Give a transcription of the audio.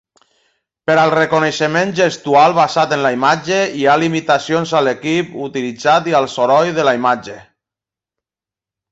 Per al reconeixement gestual basat en la imatge, hi ha limitacions a l'equip utilitzat i al soroll de la imatge.